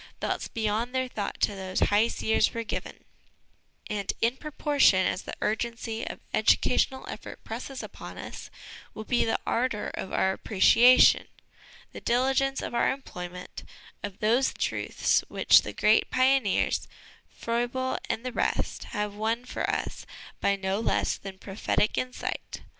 " Thoughts beyond their thought to those high seers were given "; and, in proportion as the urgency of educational effort presses upon us, will be the ardour of our appreciation, the diligence of our employment, of those truths which the great pioneers, Froebel and the rest, have won for us by no less than prophetic insight.